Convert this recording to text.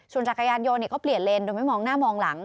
ส่วนจักรยานโยนเนี่ยก็เปลี่ยนเลนส์โดยไม่มองหน้ามองหลัง